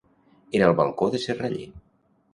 Era el balcó de Serraller.